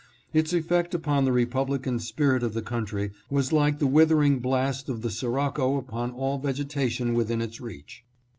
Its effect upon the Republican spirit of the country was like the withering blast of the sirocco upon all vegetation within its reach.